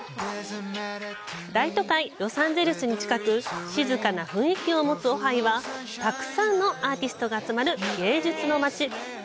大都会・ロサンゼルスに近く静かな雰囲気を持つオハイはたくさんのアーティストが集まる芸術の街。